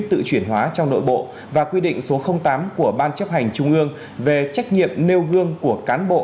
tự chuyển hóa trong nội bộ và quy định số tám của ban chấp hành trung ương về trách nhiệm nêu gương của cán bộ